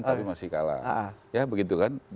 tapi masih kalah ya begitu kan